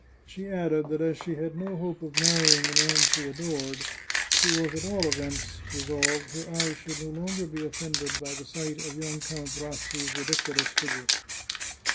She added that as she had no hope of marrying the man she adored, she was at all events resolved her eyes should no longer be oflfended by the sight of young Count Rassi's ridiculous figure.